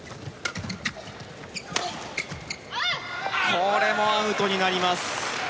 これもアウトになります。